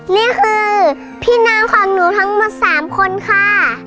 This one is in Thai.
นี่คือพี่น้องของหนูทั้งหมด๓คนค่ะ